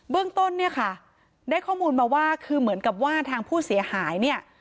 เบื้องต้นค่ะได้ข้อมูลมาว่าคือเหมือนกับว่าทางผู้เสียหาย